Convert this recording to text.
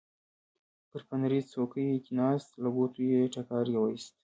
پر فنري څوکۍ کېناست، له ګوتو یې ټکاری وایست.